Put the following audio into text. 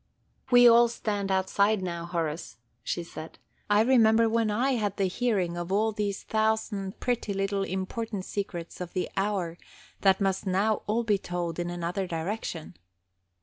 "We all stand outside now, Horace," she said. "I remember when I had the hearing of all these thousand pretty little important secrets of the hour that now must all be told in another direction.